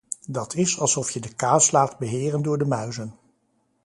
Dat is alsof je de kaas laat beheren door de muizen.